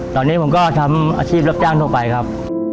ตอนนี้ผมก็ทำอาชีพรับจ้างทั่วไปครับ